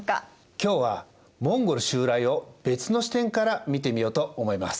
今日はモンゴル襲来を別の視点から見てみようと思います。